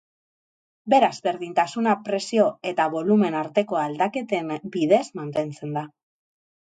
Beraz berdintasuna presio eta bolumen arteko aldaketen bidez mantentzen da.